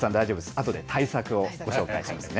あとで対策をご紹介しますね。